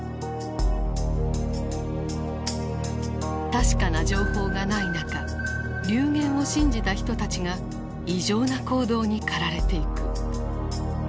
確かな情報がない中流言を信じた人たちが異常な行動に駆られていく。